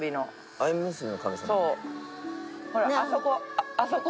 ほらあそこ。